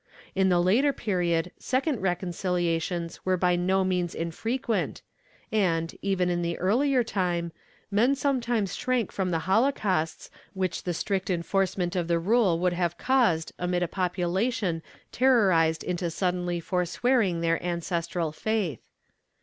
In the later period second reconciliations were by no means infrequent, and, even in the earlier time, men sometimes shrank from the holocausts which the strict enforcement of the rule would have caused amid a population terrorized into suddenly forswearing their ancestral faith.